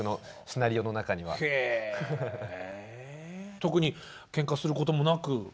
特にけんかすることもなく？